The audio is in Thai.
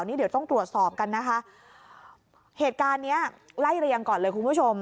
นี่เดี๋ยวต้องตรวจสอบกันนะคะเหตุการณ์เนี้ยไล่เรียงก่อนเลยคุณผู้ชม